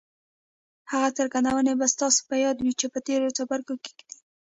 هغه څرګندونې به ستاسې په ياد وي چې په تېرو څپرکو کې وې.